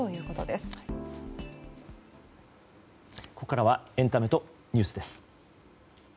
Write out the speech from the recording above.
ここからはエンタメとニュースです。